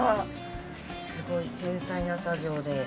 すごい繊細な作業で。